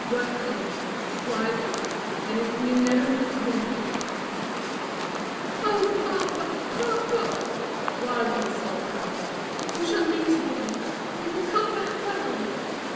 Work on; strive on; and if we never meet again here " "Oh, papa, papa," wildly sobbed Annabel, "we shall meet again! You will come back well."